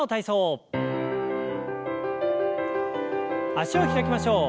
脚を開きましょう。